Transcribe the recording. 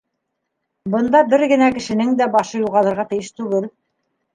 Бында бер генә кешенең дә башы юғалырға тейеш түгел.